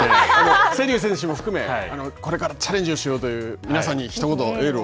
瀬立選手も含め、これからチャレンジをしようという皆さんにひと言エールを。